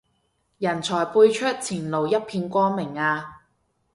人才輩出，前路一片光明啊